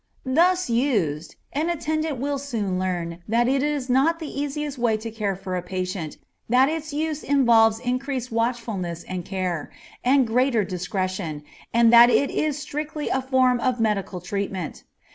Thus used, an attendant will soon learn that it is not the easiest way to care for a patient, that its use involves increased watchfulness and care, and greater discretion, and that it is strictly a form of medical treatment.